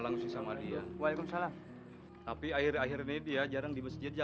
lagian itu kan mobil baru